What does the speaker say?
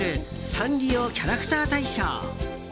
サンリオキャラクター大賞。